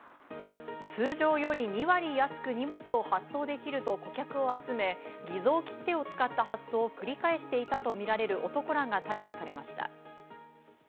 通常より２割安く荷物を発送できると顧客を集め、偽造切手を使った発送を繰り返していたとみられる男らが逮捕されました。